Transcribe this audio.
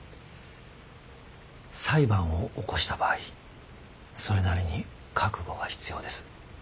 裁判を起こした場合それなりに覚悟が必要です。